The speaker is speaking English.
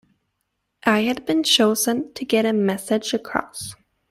I had been chosen to get a message across.